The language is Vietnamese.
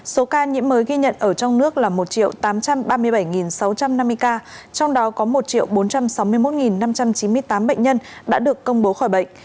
số ca nhiễm mới ghi nhận ở trong nước là một tám trăm ba mươi bảy sáu trăm năm mươi ca trong đó có một bốn trăm sáu mươi một năm trăm chín mươi tám bệnh nhân đã được công bố khỏi bệnh